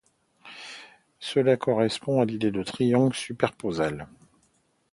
Cela correspond à l'idée de triangles superposables.